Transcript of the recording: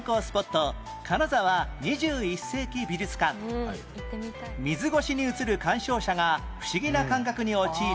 金沢２１世紀美術館水越しに映る鑑賞者が不思議な感覚に陥る